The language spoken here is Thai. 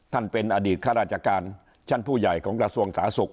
เป็นอดีตข้าราชการชั้นผู้ใหญ่ของกระทรวงสาธารณสุข